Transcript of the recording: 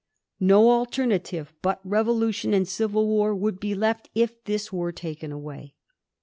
No alternative but revolution and civil war would be left if this were taken away.